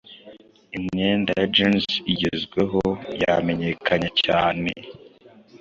imyenda ya jeans igezweho yamenyekanye cyane